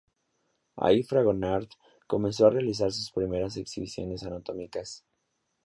Ahí Fragonard comenzó a realizar sus primeras exhibiciones anatómicas.